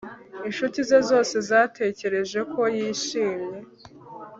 Inshuti ze zose zatekereje ko yishimye